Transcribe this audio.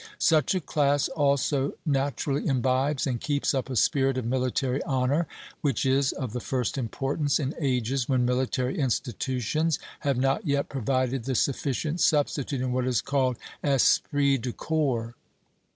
Such a class also naturally imbibes and keeps up a spirit of military honor, which is of the first importance in ages when military institutions have not yet provided the sufficient substitute in what is called esprit de corps.